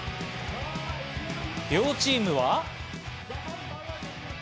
両チームは。